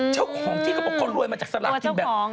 เจ้าของที่เขารวยมาจากสลักกินแบงค์